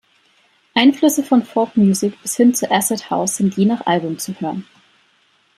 Einflüsse von Folkmusik bis hin zu Acid House sind je nach Album zu hören.